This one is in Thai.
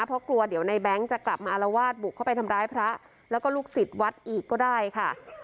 เพราะกลัวเดี๋ยวในแบงค์จะกลับมาอารวาสบุกเข้าไปทำร้ายพระแล้วก็ลูกศิษย์วัดอีกก็ได้ค่ะ